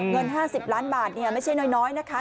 เงิน๕๐ล้านบาทไม่ใช่น้อยนะคะ